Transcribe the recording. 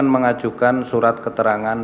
mengajukan surat keterangan